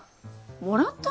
もらった？